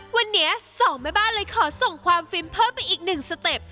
วันนี้สองแม่บ้านเลยขอส่งความฟินเพิ่มไปอีกหนึ่งสเต็ป